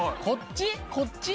こっち？